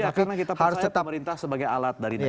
iya karena kita percaya pemerintah sebagai alat dari negara